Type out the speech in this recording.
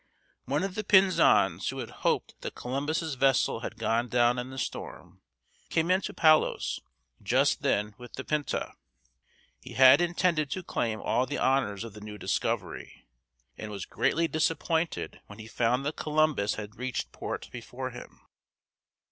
One of the Pinzons, who had hoped that Columbus's vessel had gone down in the storm, came into Palos just then with the Pinta. He had intended to claim all the honors of the new discovery, and was greatly disappointed when he found that Columbus had reached port before him.